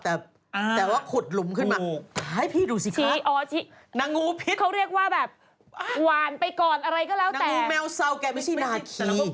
แต่เราแกไม่ใช่นาที